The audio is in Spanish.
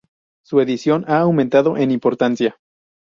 Su edición ha aumentado en importancia.